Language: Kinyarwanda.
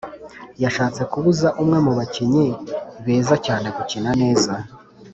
Yashatse kubuza umwe mu bakinyi beza cyane gukina neza